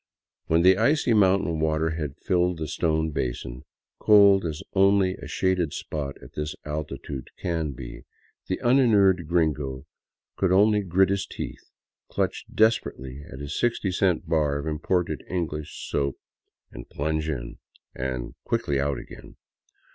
When the icy mountain water had filled the stone basin, cold as only a shaded spot at this altitude can be, the uninured gringo could only grit his teeth, clutch desperately at his 6o cent bar of imported English soap, and plunge in — and quickly out again.